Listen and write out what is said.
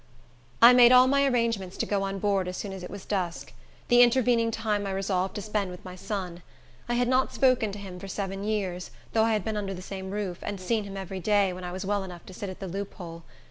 I made all my arrangements to go on board as soon as it was dusk. The intervening time I resolved to spend with my son. I had not spoken to him for seven years, though I had been under the same roof, and seen him every day, when I was well enough to sit at the loophole.